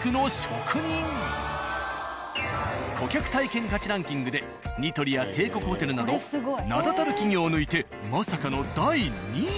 今夜は実は顧客体験価値ランキングで「ニトリ」や「帝国ホテル」など名だたる企業を抜いてまさかの第２位。